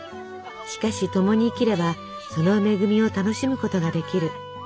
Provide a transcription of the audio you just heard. しかし共に生きればその恵みを楽しむことができる。